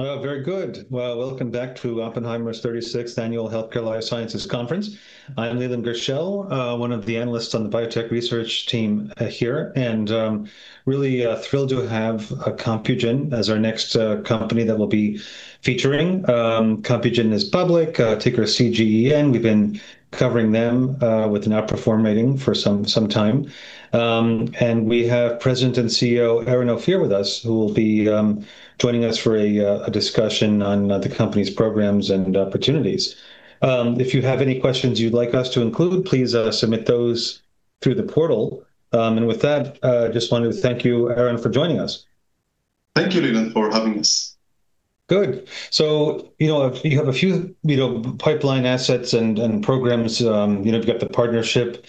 Oh, very good. Well, welcome back to Oppenheimer's 36th Annual Healthcare Life Sciences Conference. I'm Leland Gershell, one of the analysts on the biotech research team here, and really thrilled to have Compugen as our next company that we'll be featuring. Compugen is public, ticker CGEN. We've been covering them with an outperform rating for some time. We have President and CEO, Eran Ophir, with us, who will be joining us for a discussion on the company's programs and opportunities. If you have any questions you'd like us to include, please submit those through the portal. With that, just wanted to thank you, Eran, for joining us. Thank you, Leland, for having us. Good. You know, you have a few, you know, pipeline assets and programs. You know, you've got the partnership,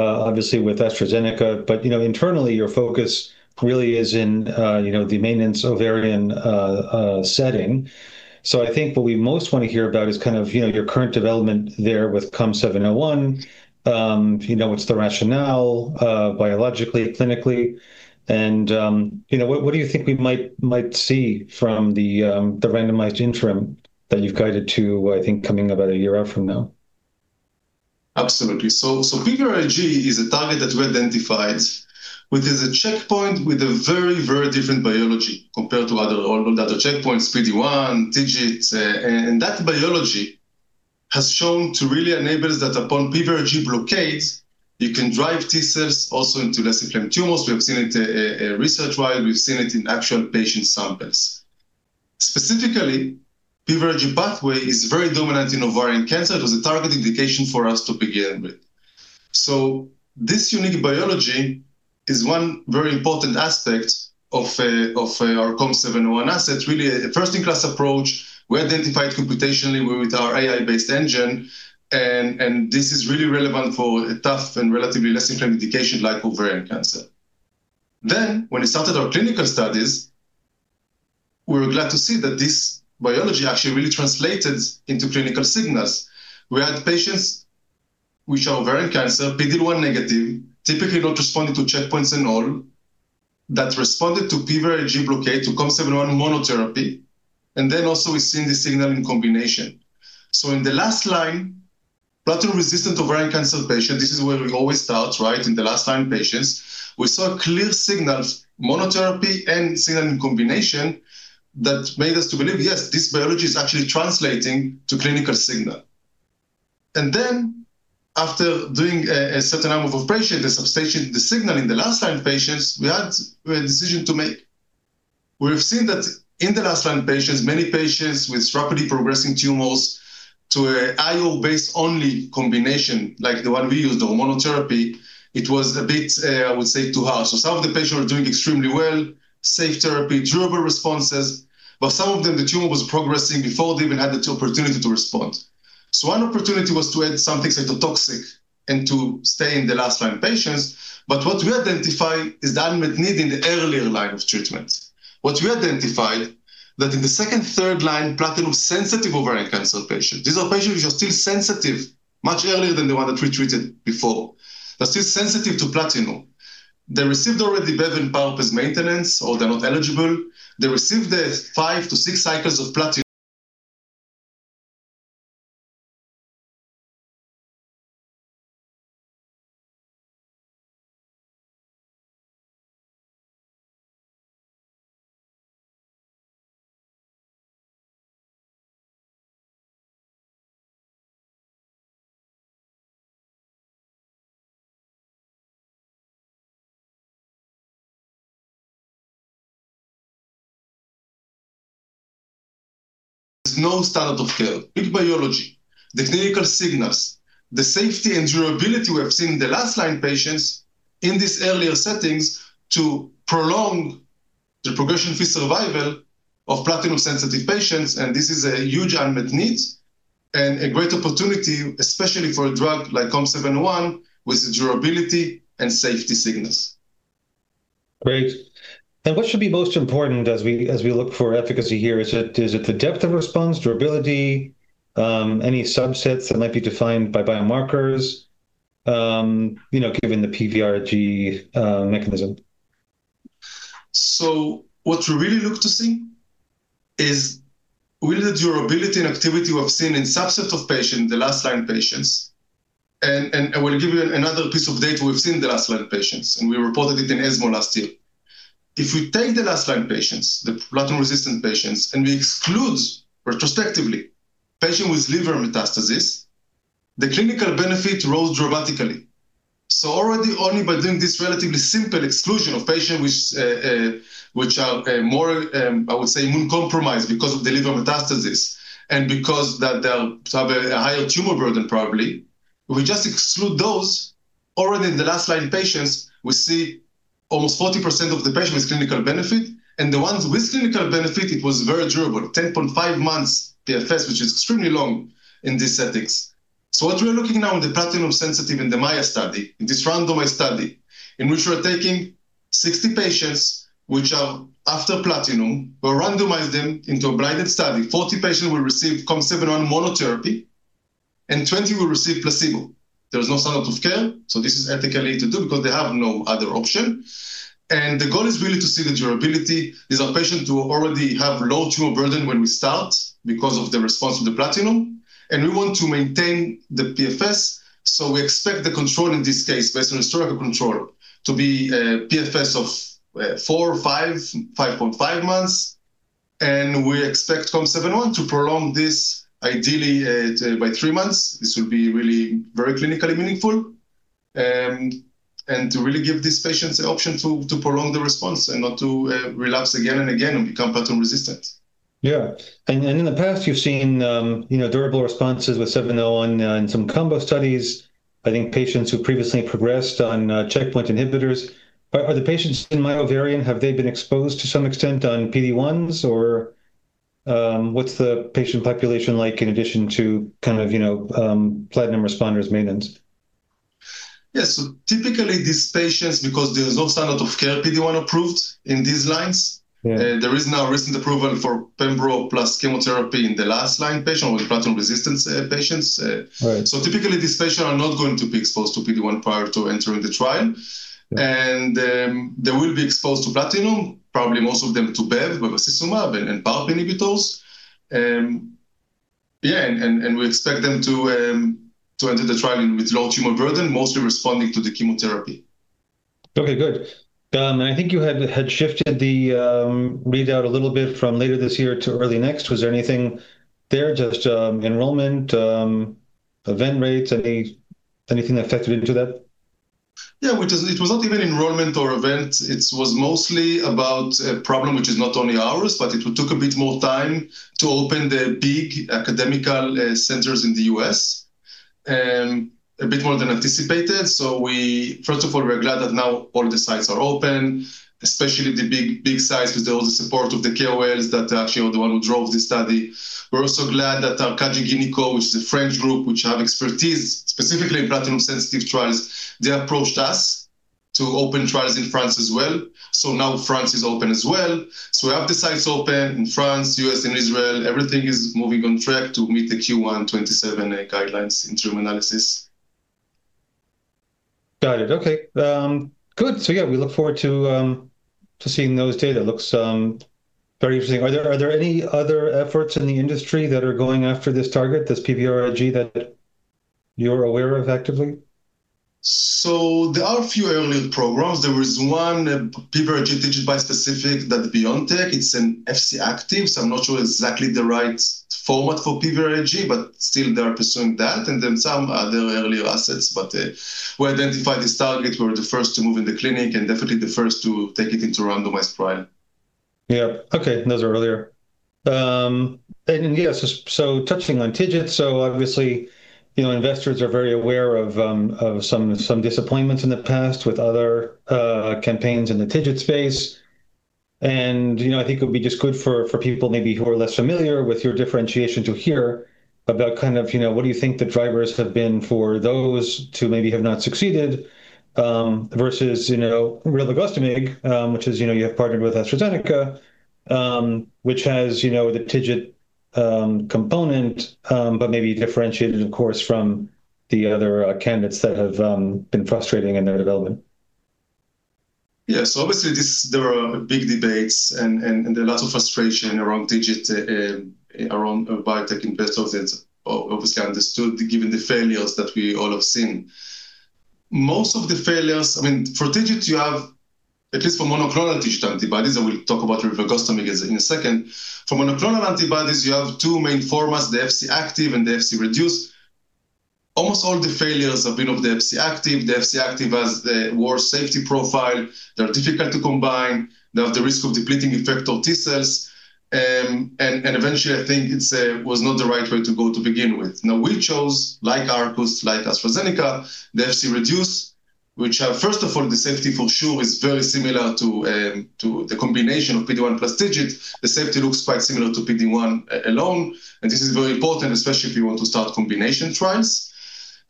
obviously, with AstraZeneca, but, you know, internally, your focus really is in, you know, the maintenance ovarian setting. I think what we most want to hear about is kind of, you know, your current development there with COM701. You know, what's the rationale, biologically, clinically? You know, what do you think we might see from the randomized interim that you've guided to, I think, coming about a year out from now? Absolutely. PVRIG is a target that we identified, which is a checkpoint with a very, very different biology compared to other, all other checkpoints, PD-1, TIGIT. That biology has shown to really enable us that upon PVRIG blockade, you can drive T cells also into less inflamed tumors. We have seen it research-wide, we've seen it in actual patient samples. Specifically, PVRIG pathway is very dominant in ovarian cancer. It was a target indication for us to begin with. This unique biology is one very important aspect of our COM701 asset, really a first-in-class approach. We identified computationally with our AI-based engine, this is really relevant for a tough and relatively less inflamed indication like ovarian cancer. When we started our clinical studies, we were glad to see that this biology actually really translated into clinical signals. We had patients with ovarian cancer, PD-1 negative, typically not responding to checkpoints in all, that responded to PVRIG blockade, to COM701 monotherapy, and then also we've seen the signal in combination. In the last line, platinum-resistant ovarian cancer patient, this is where we always start, right? In the last line patients, we saw clear signals, monotherapy and signal in combination, that made us to believe, "Yes, this biology is actually translating to clinical signal." After doing a certain amount of operation, the substation, the signal in the last line patients, we had a decision to make. We've seen that in the last line patients, many patients with rapidly progressing tumors to a IO-based only combination, like the one we used, the monotherapy, it was a bit, I would say, too harsh. Some of the patients were doing extremely well, safe therapy, durable responses, but some of them, the tumor was progressing before they even had the opportunity to respond. One opportunity was to add something cytotoxic and to stay in the last line patients. What we identified is the unmet need in the earlier line of treatment. What we identified that in the second, third line, platinum-sensitive ovarian cancer patients, these are patients which are still sensitive, much earlier than the one that we treated before. They're still sensitive to platinum. They received already bevacizumab as maintenance, or they're not eligible. They received the five to six cycles of platinum. There's no standard of care, good biology, the clinical signals, the safety and durability we have seen in the last line patients in these earlier settings to prolong the progression-free survival of platinum-sensitive patients. This is a huge unmet need and a great opportunity, especially for a drug like COM701, with the durability and safety signals. Great. What should be most important as we look for efficacy here? Is it the depth of response, durability, any subsets that might be defined by biomarkers, you know, given the PVRIG mechanism? What we really look to see is, will the durability and activity we've seen in subset of patients, the last line patients. I will give you another piece of data we've seen in the last line patients, and we reported it in ESMO last year. We take the last line patients, the platinum-resistant patients, and we exclude, retrospectively, patient with liver metastasis, the clinical benefit rose dramatically. Already, only by doing this relatively simple exclusion of patients which are more, I would say, immune-compromised because of the liver metastasis and because that they have a higher tumor burden, probably, we just exclude those. Already in the last line patients, we see almost 40% of the patients with clinical benefit, and the ones with clinical benefit, it was very durable, 10.5 months PFS, which is extremely long in these settings. What we are looking now in the platinum-sensitive in the Maia study, in this randomized study, in which we are taking 60 patients, which are after platinum, we randomized them into a blinded study. 40 patients will receive COM701 monotherapy and 20 will receive placebo. There is no standard of care, so this is ethically to do because they have no other option. The goal is really to see the durability. These are patients who already have low tumor burden when we start because of the response to the platinum, and we want to maintain the PFS. We expect the control in this case, based on historical control, to be a PFS of 5.5 months, and we expect COM701 to prolong this ideally by three months. This will be really very clinically meaningful, and to really give these patients the option to prolong the response and not to relapse again and again and become platinum-resistant. Yeah. In the past, you've seen, you know, durable responses with 701 and in some combo studies, I think patients who previously progressed on checkpoint inhibitors. Are the patients in MAIA-ovarian, have they been exposed to some extent on PD-1s, or what's the patient population like in addition to kind of, you know, platinum responders maintenance? Yeah. Typically, these patients, because there's no standard of care, PD-1 approved in these lines. Yeah. there is now a recent approval for pembro plus chemotherapy in the last line, patient with platinum-resistant patients. Right. Typically, these patients are not going to be exposed to PD-1 prior to entering the trial. Yeah. They will be exposed to platinum, probably most of them to Bev, bevacizumab, and PARP inhibitors. Yeah, and we expect them to enter the trial in with low tumor burden, mostly responding to the chemotherapy. Okay, good. I think you had shifted the readout a little bit from later this year to early next. Was there anything there, just enrollment, event rates, anything that factored into that? It was not even enrollment or events. It was mostly about a problem which is not only ours, but it took a bit more time to open the big academic centers in the U.S. a bit more than anticipated. First of all, we're glad that now all the sites are open, especially the big sites, with all the support of the KOLs that actually are the one who drove this study. We're also glad that our Cangi Ginecò, which is a French group, which have expertise specifically in platinum-sensitive trials, they approached us to open trials in France as well. Now France is open as well. We have the sites open in France, U.S., and Israel. Everything is moving on track to meet the Q1 2027 guidelines interim analysis. Got it. Okay. Good. Yeah, we look forward to seeing those data. Looks very interesting. Are there any other efforts in the industry that are going after this target, this PVRIG, that you're aware of actively? There are a few early programs. There was one, PVRIG TIGIT bispecific, that BioNTech, it's an Fc active, so I'm not sure exactly the right format for PVRIG, but still they are pursuing that, and then some other earlier assets. We identified this target. We're the first to move in the clinic, and definitely the first to take it into a randomized trial. Yeah. Okay, those are earlier. Yeah, so touching on TIGIT, so obviously, you know, investors are very aware of some disappointments in the past with other campaigns in the TIGIT space. You know, I think it would be just good for people maybe who are less familiar with your differentiation to hear about kind of, you know, what do you think the drivers have been for those who maybe have not succeeded versus, you know, rilvegostomig, which is, you know, you have partnered with AstraZeneca, which has, you know, the TIGIT component, but maybe differentiated, of course, from the other candidates that have been frustrating in their development. Yeah. Obviously, this, there are big debates and a lot of frustration around TIGIT, around biotech investors, and obviously understood, given the failures that we all have seen. Most of the failures, I mean, for TIGIT, you have, at least for monoclonal TIGIT antibodies, and we'll talk about rilvegostomig in a second. For monoclonal antibodies, you have two main formats, the Fc active and the Fc-reduced. Almost all the failures have been of the Fc active. The Fc active has the worst safety profile, they're difficult to combine, they have the risk of depleting effect of T cells, and eventually, I think it's was not the right way to go to begin with. We chose, like Arcus, like AstraZeneca, the Fc-reduced, which have, first of all, the safety for sure is very similar to the combination of PD-1 plus TIGIT. The safety looks quite similar to PD-1 alone, and this is very important, especially if you want to start combination trials.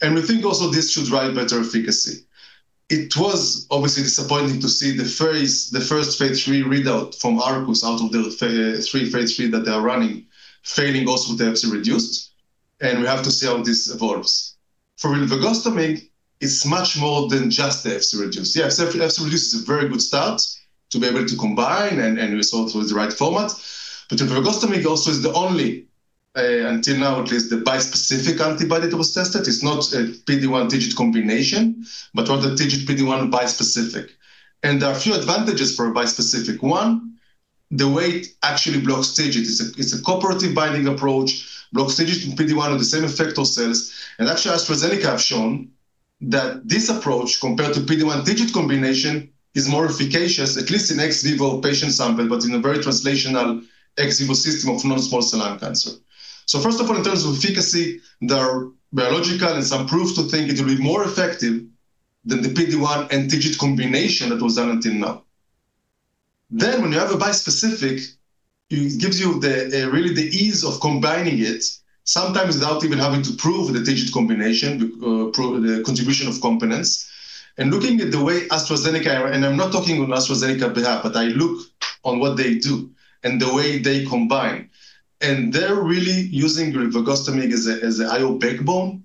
We think also this should drive better efficacy. It was obviously disappointing to see the first phase III readout from Arcus out of the three phase III that they are running, failing also the Fc-reduced, and we have to see how this evolves. For rilvegostomig, it's much more than just the Fc-reduced. Fc-reduced is a very good start to be able to combine and result with the right format. Rilvegostomig also is the only, until now at least, the bispecific antibody that was tested. It's not a PD-1 TIGIT combination, but rather TIGIT PD-1 bispecific. There are a few advantages for a bispecific. One, the way it actually blocks TIGIT, it's a cooperative binding approach, blocks TIGIT and PD-1 on the same effector cells. Actually, AstraZeneca have shown that this approach, compared to PD-1 TIGIT combination, is more efficacious, at least in ex vivo patient sample, but in a very translational ex vivo system of non-small cell lung cancer. First of all, in terms of efficacy, there are biological and some proofs to think it will be more effective than the PD-1 and TIGIT combination that was done until now. When you have a bispecific, it gives you really the ease of combining it, sometimes without even having to prove the TIGIT combination, the contribution of components.... Looking at the way AstraZeneca, and I'm not talking on AstraZeneca's behalf, but I look on what they do and the way they combine, and they're really using rilvegostomig as a IO backbone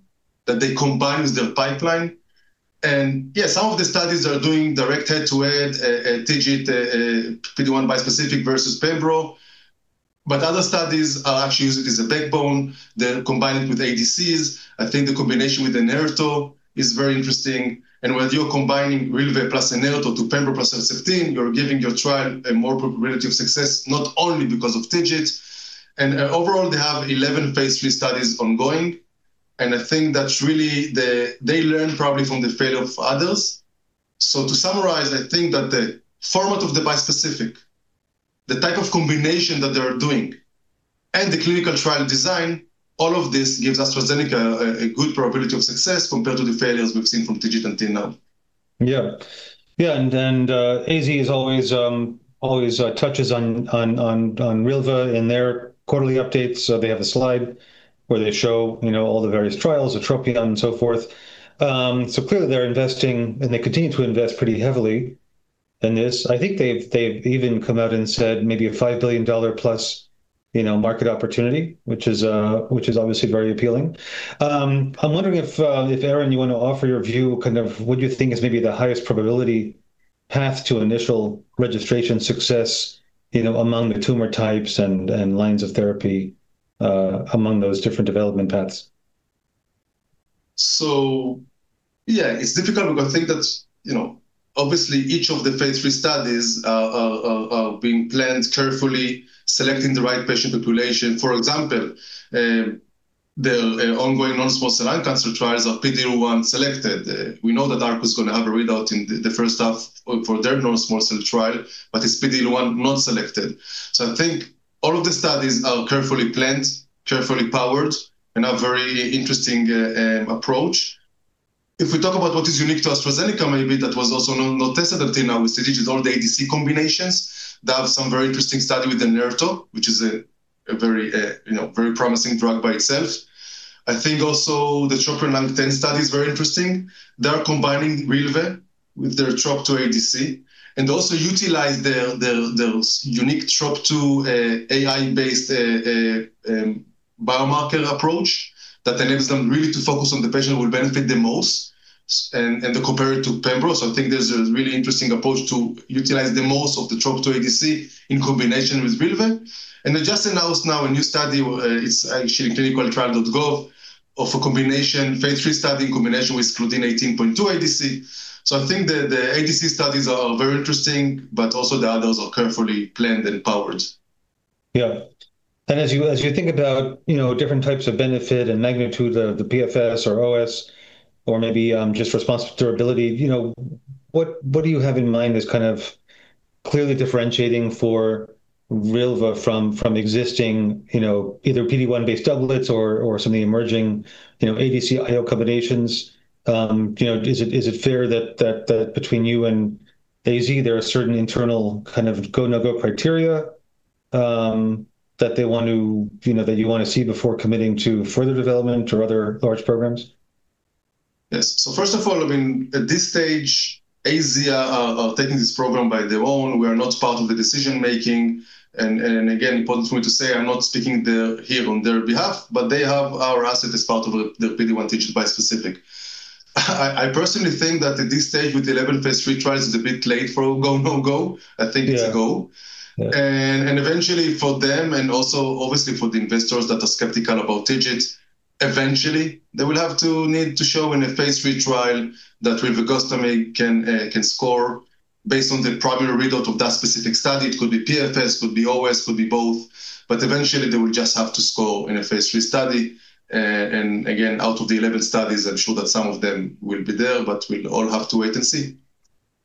that they combine with their pipeline. Some of the studies are doing direct head-to-head TIGIT PD-1 bispecific versus pembro, but other studies are actually using it as a backbone, then combine it with ADCs. I think the combination with the inerto is very interesting, and whether you're combining rilva plus inerto to pembro plus L16, you're giving your trial a more probability of success, not only because of TIGIT. Overall, they have 11 phase III studies ongoing, and I think that's really they learned probably from the failure of others. To summarize, I think that the format of the bispecific, the type of combination that they are doing, and the clinical trial design, all of this gives AstraZeneca a good probability of success compared to the failures we've seen from TIGIT until now. Yeah. Yeah, and AZ is always touches on rilvegostomig in their quarterly updates. They have a slide where they show, you know, all the various trials, atropine, and so forth. Clearly they're investing, and they continue to invest pretty heavily in this. I think they've even come out and said maybe a $5 billion+, you know, market opportunity, which is obviously very appealing. I'm wondering if, Eran, you want to offer your view, kind of what you think is maybe the highest probability path to initial registration success, you know, among the tumor types and lines of therapy, among those different development paths. It's difficult because I think that's, you know, obviously, each of the phase III studies are being planned carefully, selecting the right patient population. For example, the ongoing non-small cell lung cancer trials are PD-1 selected. We know that Arcus is gonna have a readout in the first half of for their non-small cell trial, but it's PD-1 not selected. All of the studies are carefully planned, carefully powered, and a very interesting approach. What is unique to AstraZeneca, maybe that was also noticed until now, with the TIGIT, all the ADC combinations. Some very interesting study with the inerato, which is a very, you know, very promising drug by itself. The TROPION-Lung10 study is very interesting. They are combining rilva with their Trop-2 ADC, also utilize their unique Trop-2 AI-based biomarker approach that enables them really to focus on the patient who will benefit the most, and to compare it to pembro. I think there's a really interesting approach to utilize the most of the Trop-2 ADC in combination with rilva. They just announced now a new study, it's actually in ClinicalTrials.gov, of a combination, phase III study in combination with Claudin 18.2 ADC. I think the ADC studies are very interesting, but also the others are carefully planned and powered. Yeah. As you, as you think about, you know, different types of benefit and magnitude of the PFS or OS, or maybe just response durability, you know, what do you have in mind as kind of clearly differentiating for rilvegostomig from existing, you know, either PD-1 based doublets or some of the emerging, you know, ADC IO combinations? You know, is it, is it fair that between you and AZ, there are certain internal kind of go, no-go criteria, that they want to see before committing to further development or other large programs? Yes. First of all, I mean, at this stage, AZ are taking this program by their own. We are not part of the decision making, and again, important for me to say, I'm not speaking here on their behalf, but they have our asset as part of the PD-1 T cell bispecific. I personally think that at this stage, with the 11 phase III trials, it's a bit late for a go, no-go. Yeah. I think it's a go. Eventually for them, and also obviously for the investors that are skeptical about TIGIT, eventually they will have to need to show in a phase III trial that rilvegostomig can score based on the primary readout of that specific study. It could be PFS, could be OS, could be both. Eventually, they will just have to score in a phase III study. Again, out of the 11 studies, I'm sure that some of them will be there. We'll all have to wait and see.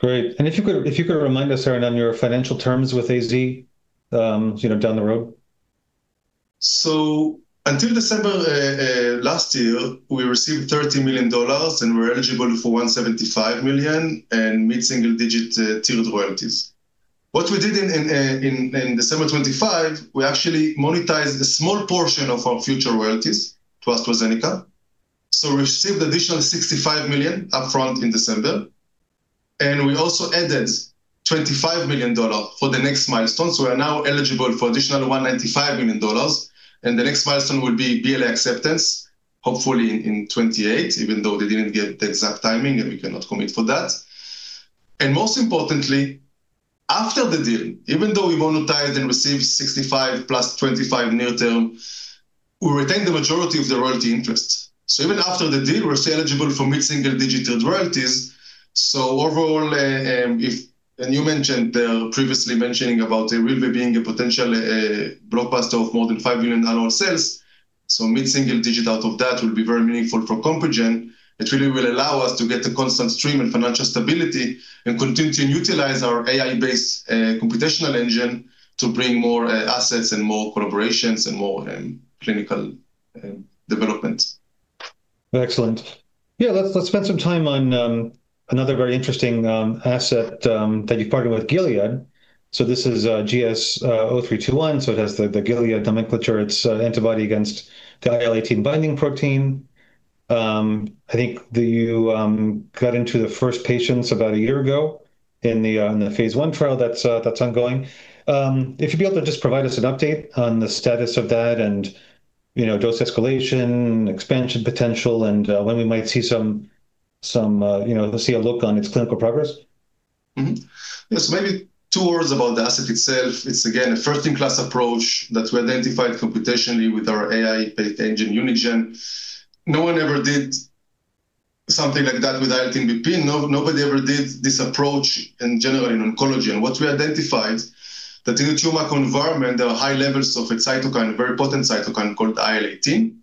Great. If you could remind us, Eran, on your financial terms with AZ, you know, down the road. Until December, last year, we received $30 million, and we're eligible for $175 million and mid-single-digit tiered royalties. What we did in December 2025, we actually monetized a small portion of our future royalties to AstraZeneca. We received additional $65 million upfront in December, and we also added $25 million for the next milestone. We are now eligible for additional $195 million, and the next milestone will be BLA acceptance, hopefully in 2028, even though they didn't give the exact timing, we cannot commit for that. Most importantly, after the deal, even though we monetized and received $65 + $25 near term, we retained the majority of the royalty interests. Even after the deal, we're still eligible for mid-single-digit royalties. Overall, and you mentioned previously mentioning about rilvegostomig being a potential blockbuster of more than $5 billion annual sales, so mid-single digit out of that will be very meaningful for Compugen. It really will allow us to get a constant stream and financial stability and continue to utilize our AI-based computational engine to bring more assets and more collaborations and more clinical development. Excellent. Yeah, let's spend some time on another very interesting asset that you've partnered with Gilead. This is GS-0321. It has the Gilead nomenclature. It's an antibody against the IL-18 binding protein. I think that you got into the first patients about a year ago in the phase I trial that's ongoing? If you'd be able to just provide us an update on the status of that, and you know, dose escalation, expansion potential, and when we might see some, you know, see a look on its clinical progress? Yes, maybe two words about the asset itself. It's, again, a first-in-class approach that we identified computationally with our AI-based engine, Unigen. No one ever did something like that with IL-18BP. Nobody ever did this approach in general in oncology. What we identified, that in the tumor microenvironment, there are high levels of a cytokine, a very potent cytokine called IL-18,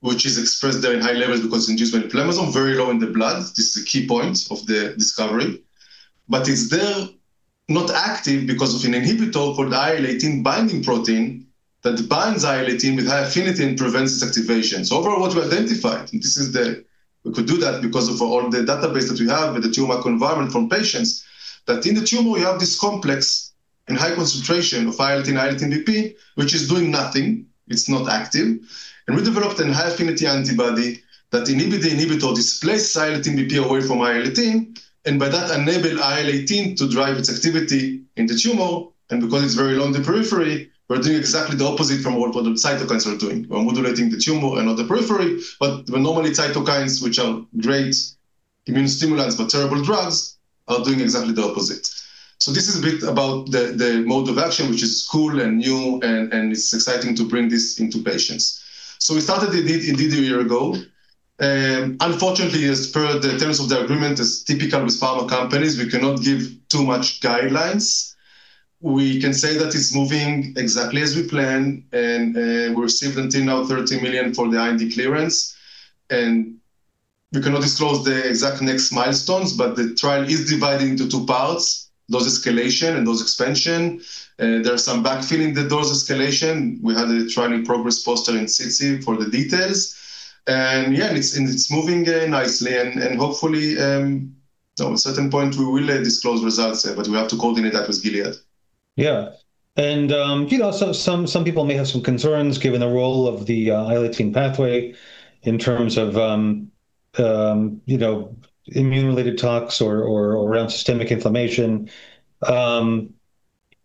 which is expressed there in high levels because induced when inflammation, very low in the blood. This is a key point of the discovery. It's there, not active because of an inhibitor for the IL-18 binding protein that binds IL-18 with high affinity and prevents its activation. Overall, what we identified, and this is, we could do that because of all the database that we have with the tumor microenvironment from patients, that in the tumor we have this complex in high concentration of IL-18, IL-18BP, which is doing nothing. It's not active. We developed a high-affinity antibody that inhibit the inhibitor, displace the IL-18BP away from IL-18, and by that, enable IL-18 to drive its activity in the tumor, and because it's very low in the periphery, we're doing exactly the opposite from what other cytokines are doing. We're modulating the tumor and not the periphery, but where normally cytokines, which are great immune stimulants, but terrible drugs, are doing exactly the opposite. This is a bit about the mode of action, which is cool and new, and it's exciting to bring this into patients. We started indeed, a year ago. Unfortunately, as per the terms of the agreement, as typical with pharma companies, we cannot give too much guidelines. We can say that it's moving exactly as we planned. We received until now $30 million for the IND clearance. We cannot disclose the exact next milestones. The trial is divided into two parts, dose escalation and dose expansion. There are some backfilling the dose escalation. We had a trial-in-progress poster in ASCO for the details. It's moving nicely, and hopefully, at a certain point, we will disclose results. We have to coordinate that with Gilead. Yeah. You know, some people may have some concerns given the role of the IL-18 pathway in terms of, you know, immune-related talks or around systemic inflammation.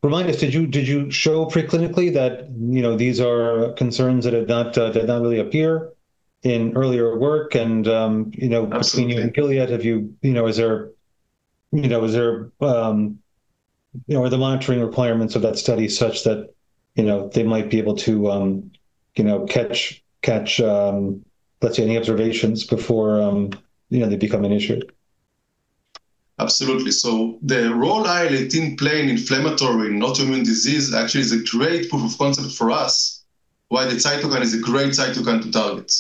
Remind us, did you show pre-clinically that, you know, these are concerns that did not really appear in earlier work? You know... Absolutely. Between you and Gilead, you know, is there, you know, is there, are the monitoring requirements of that study such that, you know, they might be able to, you know, catch, let's say, any observations before, you know, they become an issue? Absolutely. The role IL-18 play in inflammatory, not immune disease, actually is a great proof of concept for us, why the cytokine is a great cytokine to target.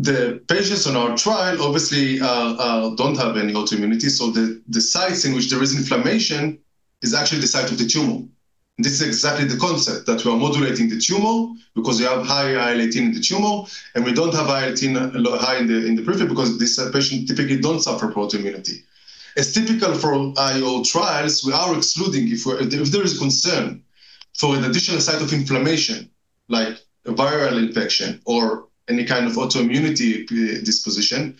The patients on our trial obviously don't have any autoimmunity, so the sites in which there is inflammation is actually the site of the tumor. This is exactly the concept, that we are modulating the tumor because we have high IL-18 in the tumor, and we don't have IL-18 high in the periphery, because these patients typically don't suffer autoimmunity. It's typical for IO trials, we are excluding if there is concern for an additional site of inflammation, like a viral infection or any kind of autoimmunity disposition.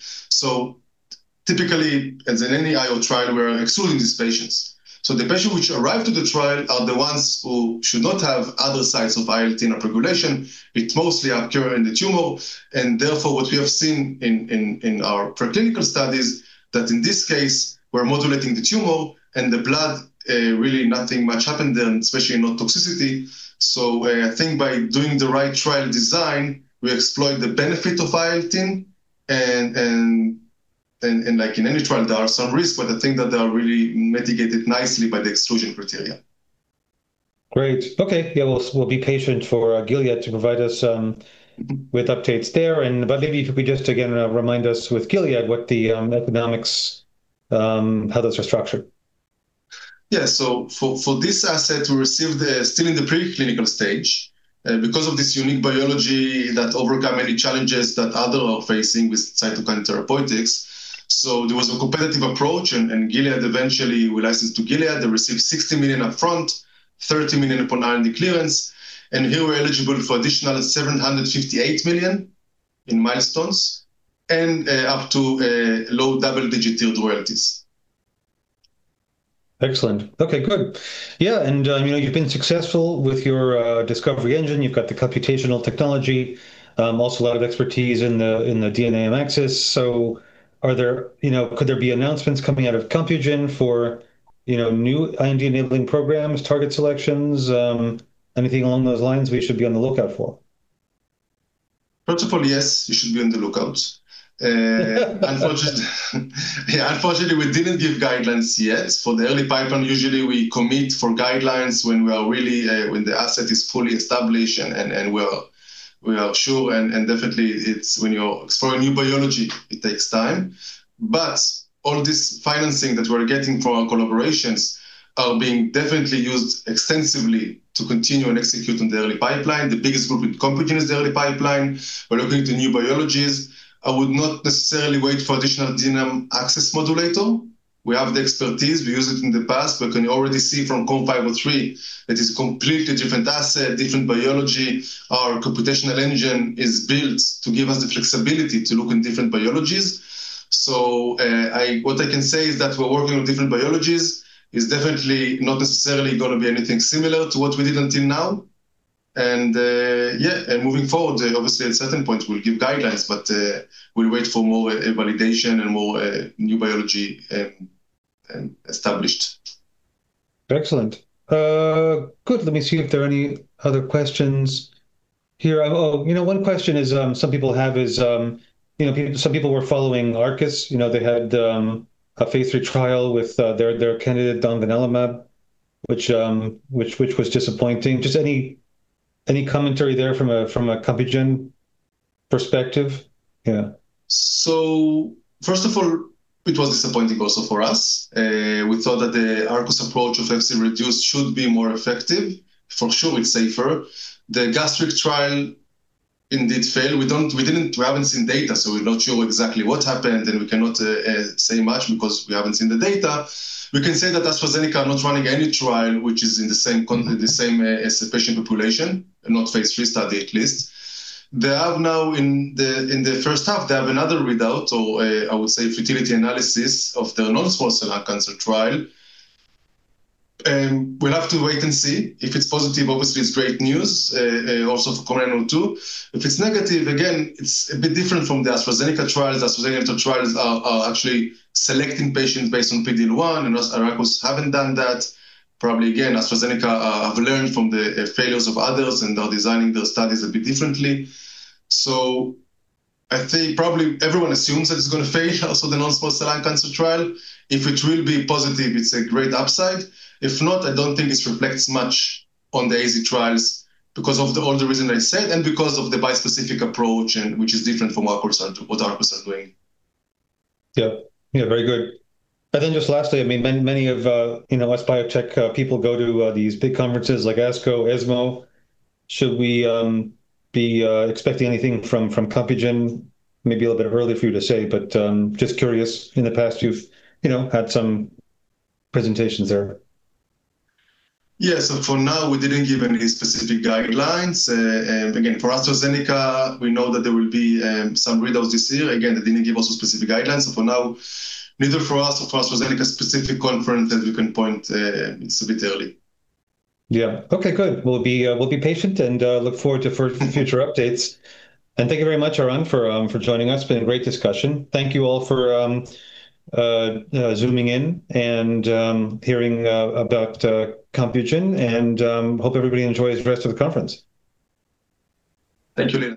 Typically, as in any IO trial, we're excluding these patients. The patient which arrive to the trial are the ones who should not have other sites of IL-18 upregulation. It mostly occur in the tumor, and therefore, what we have seen in our pre-clinical studies, that in this case, we're modulating the tumor and the blood, really nothing much happened then, especially in no toxicity. I think by doing the right trial design, we exploit the benefit of IL-18, and like in any trial, there are some risks, but I think that they are really mitigated nicely by the exclusion criteria. Great. Okay. Yeah, we'll be patient for Gilead to provide us with updates there. Maybe if you could just again, remind us with Gilead, what the economics, how those are structured? Yeah. For this asset, we received the... Still in the preclinical stage, because of this unique biology that overcome many challenges that other are facing with cytokine therapeutics. There was a competitive approach, and Gilead, eventually we licensed to Gilead, they received $60 million upfront, $30 million upon IND clearance, and here we're eligible for additional $758 million in milestones and up to low double-digit royalties. Excellent. Okay, good. Yeah, you know, you've been successful with your discovery engine. You've got the computational technology, also a lot of expertise in the DNA access. Are there, you know, could there be announcements coming out of Compugen for, you know, new IND-enabling programs, target selections, anything along those lines we should be on the lookout for? First of all, yes, you should be on the lookout. Unfortunately, we didn't give guidelines yet. For the early pipeline, usually we commit for guidelines when we are really when the asset is fully established and we are sure, and definitely it's when you're exploring new biology, it takes time. All this financing that we're getting from our collaborations are being definitely used extensively to continue and execute on the early pipeline. The biggest group with Compugen is the early pipeline. We're looking to new biologies. I would not necessarily wait for additional epigenome modulator. we have the expertise, we used it in the past, but can you already see from COM503, it is completely different asset, different biology. Our computational engine is built to give us the flexibility to look in different biologies. What I can say is that we're working on different biologies. It's definitely not necessarily going to be anything similar to what we did until now. Moving forward, obviously, at certain points, we'll give guidelines, but we'll wait for more validation and more new biology established. Excellent. Good, let me see if there are any other questions here. You know, one question is, some people have is, you know, some people were following Arcus. You know, they had a phase III trial with their candidate, domvanalimab, which was disappointing. Any commentary there from a Compugen perspective? Yeah. First of all, it was disappointing also for us. we thought that the Arcus approach of Fc-reduced should be more effective. For sure, it's safer. The gastric trial indeed failed. We haven't seen data, so we're not sure exactly what happened, and we cannot say much because we haven't seen the data. We can say that AstraZeneca are not running any trial, which is in the same country, the same as the patient population, not phase III study, at least. They have now, in the, in the first half, they have another readout, or I would say, futility analysis of the non-small cell lung cancer trial, and we'll have to wait and see. If it's positive, obviously, it's great news also for COM902. If it's negative, again, it's a bit different from the AstraZeneca trials. AstraZeneca trials are actually selecting patients based on PDL1, Arcus haven't done that. Probably, again, AstraZeneca have learned from the failures of others, they're designing those studies a bit differently. I think probably everyone assumes that it's going to fail, also, the non-small cell lung cancer trial. If it will be positive, it's a great upside. If not, I don't think it reflects much on the AZ trials because of all the reasons I said, because of the bispecific approach and which is different from what Arcus are doing. Yep. Yeah, very good. Just lastly, I mean, many of you know, us biotech people go to these big conferences like ASCO, ESMO. Should we be expecting anything from Compugen? Maybe a little bit early for you to say, but just curious. In the past, you've, you know, had some presentations there. Yeah. For now, we didn't give any specific guidelines. Again, for AstraZeneca, we know that there will be some readouts this year. Again, they didn't give us specific guidelines. For now, neither for us or for AstraZeneca, specific conference that we can point, it's a bit early. Yeah. Okay, good. We'll be patient and look forward to for future updates. Thank you very much, Eran, for joining us. It's been a great discussion. Thank you all for Zooming in and hearing about Co mpugen, and hope everybody enjoys the rest of the conference. Thank you, Leland.